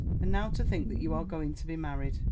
And now to think that you are going to be married!